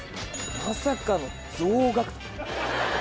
まさかの増額。